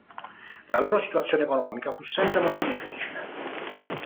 La loro situazione economica fu sempre molto difficile.